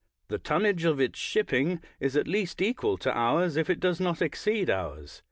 The tonnage of its shipping is at least equal to ours, if it does not exceed ours.